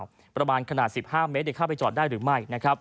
ประมาณขนาด๑๕เมตรเข้าไปจอดได้หรือไม่